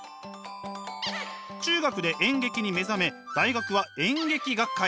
中学で演劇に目覚め大学は演劇学科へ。